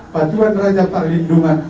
patuan raja perlindungan